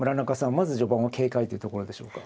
まず序盤を警戒というところでしょうか。